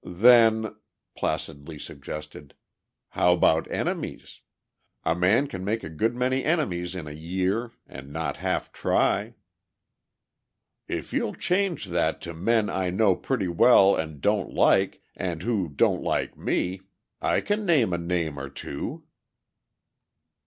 "Then," placidly suggested, "how about enemies? A man can make a good many enemies in a year and not half try." "If you'll change that to men I know pretty well and don't like, and who don't like me, I can name a name or two."